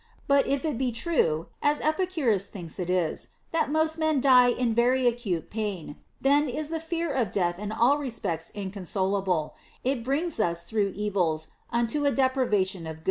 But if it be true (as Epicurus thinks it is) that most men die in very acute pain, then is the fear of death in all respects incon solable ; it bringing us through evils unto a deprivation of good * Herod.